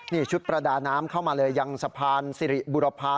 นี่ชุดประดาน้ำเข้ามาเลยยังสะพานสิริบุรพา